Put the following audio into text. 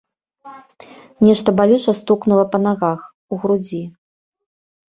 Нешта балюча стукнула па нагах, у грудзі.